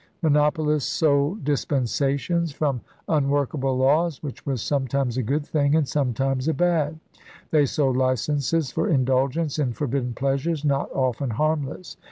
Monopolists sold dispensations from un workable laws, which was sometimes a good thing and sometimes a bad. They sold licenses for indulgence in forbidden pleasures, not often harmless.